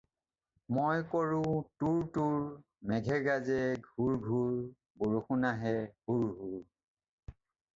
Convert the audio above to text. “মই কৰোঁ টোৰ্ টোৰ্, মেঘ গাজে ঘোৰ ঘোৰ, বৰষুণ আহে আহে হোৰ্ হোৰ।”